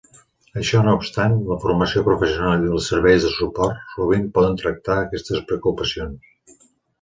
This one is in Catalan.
Això no obstant, la formació professional i els serveis de suport sovint poden tractar aquestes preocupacions.